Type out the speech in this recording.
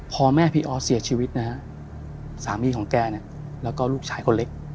พอแม่พี่ออสเสียชีวิตนะฮะสามีของแกเนี่ยแล้วก็ลูกชายคนเล็ก